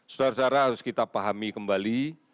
saudara saudara harus kita pahami kembali